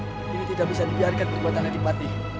ini tidak bisa dibiarkan perbuatan adipati